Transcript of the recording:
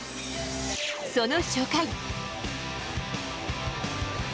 その初回。